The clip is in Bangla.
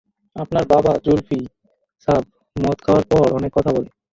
আপনার বাবা জুলফি সাব মদ খাওয়ার পর অনেক কথা বলে।